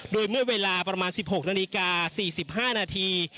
โดยเมื่อเวลาประมาณ๑๖นาฬิกา๔๕นาที